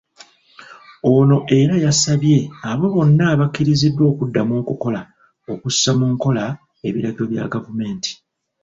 Ono era yasabaye abo bonna abakkiriziddwa okuddamu okukola okussa mu nkola ebiragiro bya gavumenti.